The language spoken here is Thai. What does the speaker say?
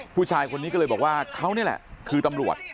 ผู้ชายคนนี้ก็เลยบอกว่าเขานี่แหละคือตำรวจ